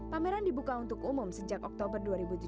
pameran dibuka untuk umum sejak oktober dua ribu tujuh belas